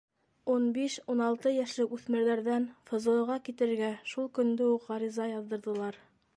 Ун биш-ун алты йәшлек үҫмерҙәрҙән ФЗО-ға китергә шул көндө үк ғариза яҙҙырҙылар.